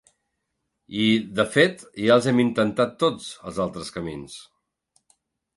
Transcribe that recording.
I, de fet, ja els hem intentats tots, els altres camins.